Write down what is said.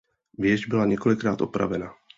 Věž byla několikrát opravena.